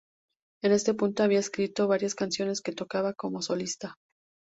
En este punto, había escrito varias canciones que tocaba como solista.